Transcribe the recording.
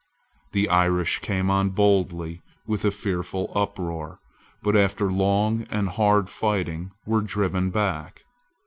The Irish came on boldly and with a fearful uproar, but after long and hard fighting were driven back.